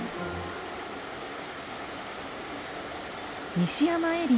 西山エリア